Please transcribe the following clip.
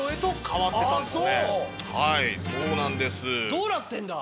どうなってんだ？